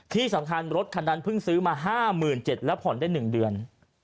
ที่สำคัญรถคันนั้นเพิ่งซื้อมา๕๗๐๐แล้วผ่อนได้๑เดือน